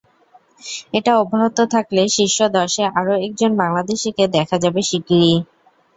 এটা অব্যাহত থাকলে শীর্ষ দশে আরও একজন বাংলাদেশিকে দেখা যাবে শিগগিরই।